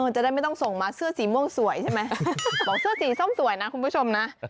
จะได้ไม่ต้องส่งมาเสื้อสีม่วงสวยใช่ไหมบอกเสื้อสีส้มสวยนะคุณผู้ชมนะ